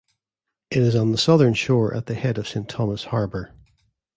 It is on the southern shore at the head of Saint Thomas Harbor.